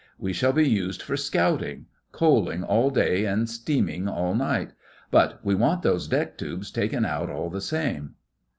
We shall be used for scouting—coaling all day and steaming all night. But we want those deck tubes taken out all the same.